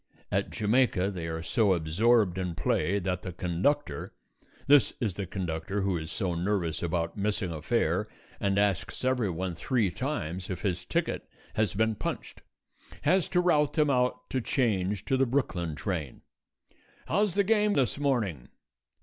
At Jamaica they are so absorbed in play that the conductor this is the conductor who is so nervous about missing a fare and asks everyone three times if his ticket has been punched has to rout them out to change to the Brooklyn train. "How's the game this morning?"